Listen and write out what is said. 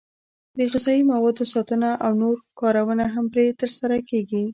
د غذایي موادو ساتنه او نور کارونه هم پرې ترسره کېږي.